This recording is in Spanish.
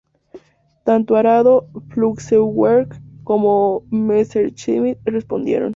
Tanto Arado Flugzeugwerke como Messerschmitt respondieron.